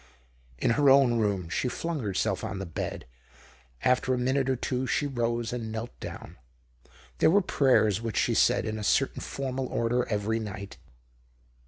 In her own room, she flung herself on the hed ; after a minute or two she rose and knelt down. There were prayers which she said in a certain formal order every night.